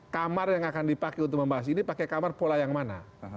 kamar yang akan dipakai untuk membahas ini pakai kamar pola yang mana